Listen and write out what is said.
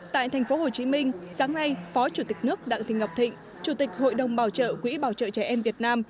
tại thành phố hồ chí minh sáng nay phó chủ tịch nước đặng thị ngọc thịnh chủ tịch hội đồng bảo trợ quỹ bảo trợ trẻ em việt nam